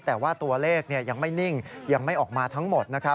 แต่ว่าตัวเลขยังไม่นิ่งยังไม่ออกมาทั้งหมด